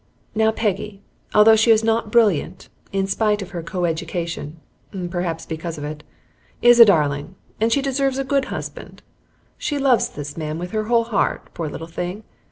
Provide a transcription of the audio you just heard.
Now Peggy, although she is not brilliant, in spite of her co education (perhaps because of it), is a darling, and she deserves a good husband. She loves this man with her whole heart, poor little thing!